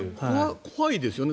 怖いですよね。